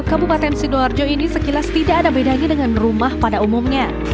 kabupaten sidoarjo ini sekilas tidak ada bedanya dengan rumah pada umumnya